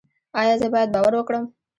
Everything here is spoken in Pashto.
ایا زه باید باور وکړم؟